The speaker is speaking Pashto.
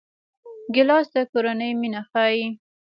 ګیلاس د کورنۍ مینه ښيي.